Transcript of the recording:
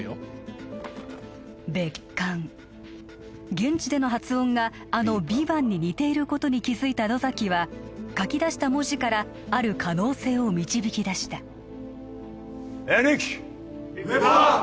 現地での発音があのヴィヴァンに似ていることに気付いた野崎は書き出した文字からある可能性を導き出したヴィパァン